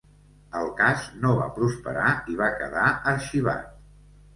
El cas no va prosperar i va quedar arxivat.